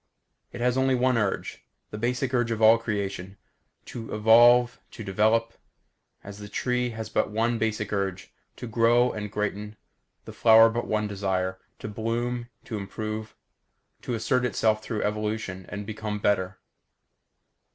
It has only one urge; the basic urge of all creation. To evolve, to develop. As the tree has but one basic urge to grow and greaten; the flower but one desire to bloom, to improve; to assert itself through evolution and become better.